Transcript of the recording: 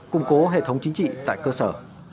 cung cố hệ thống chính trị tại cơ sở